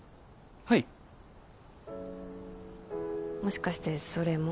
はいもしかしてそれも？